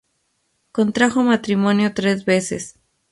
Contrajo matrimonio tres veces.